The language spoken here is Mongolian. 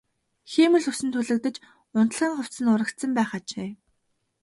Хиймэл үс нь түлэгдэж унтлагын хувцас нь урагдсан байх ажээ.